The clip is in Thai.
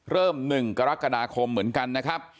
เริ่ม๑กรกฎาคมเหมือนกันนะครับ